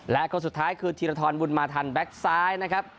และคนสุดท้ายคือธีรธรรมุนมาธรรมแบ็คซ้ายนะครับ